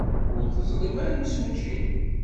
Ur teẓrim ara imsujji?